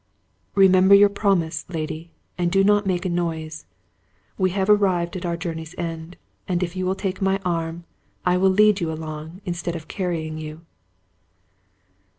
"Remember your promise, lady, and do not make a noise. We have arrived at our journey's end, and if you will take my arm, I will lead you along, instead of carrying you."